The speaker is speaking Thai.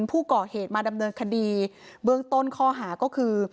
ผู้ก่อเหตุมาดำเนินคดีเบื้องต้นข้อหาก็คือ